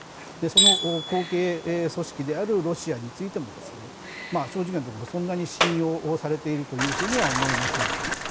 その後継組織であるロシアについても正直なところ、そんなに信用されているとは思えません。